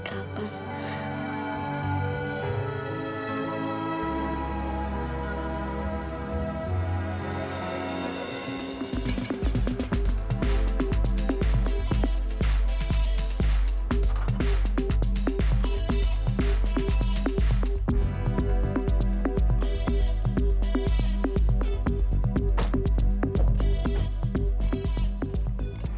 lo tetap tanggal biji